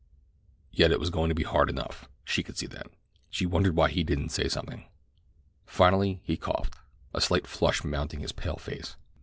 Yet it was going to be hard enough—she could see that. She wondered why he didn't say something. Finally he coughed—a slight flush mounting his pale face.